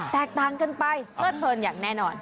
แตกต่างกันไปเลิดเพลินอย่างแน่นอน